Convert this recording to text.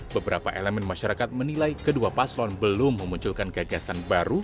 beberapa elemen masyarakat menilai kedua paslon belum memunculkan gagasan baru